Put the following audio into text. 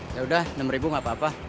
yaudah enam ribu gak apa apa